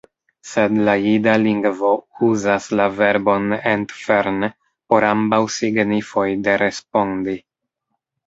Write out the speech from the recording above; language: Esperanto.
Sed la jida lingvo uzas la verbon entfern por ambaŭ signifoj de respondi.